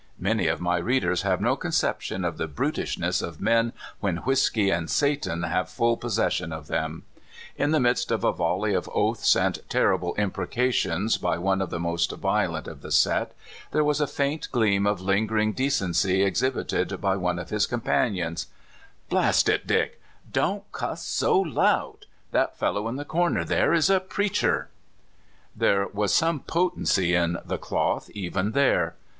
Many of my readers have no conception of the brutishness of men when whisky and Satan have full possession of them. In the midst of a volley of oaths and terrible imprecations by one of the most violent of the set, there was a faint gleam of lingering decency exhibited by one of his com panions: *' Blast it, Dick, don't citss so loud — that fellow in the corner there is a preacherj " There was some potency in *'the cloth" even CORRALED. 195 there.